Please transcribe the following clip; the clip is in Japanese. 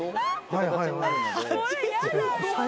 はいはいはい。